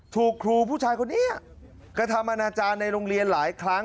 ถูกครูผู้ชายคนนี้กระทำอนาจารย์ในโรงเรียนหลายครั้ง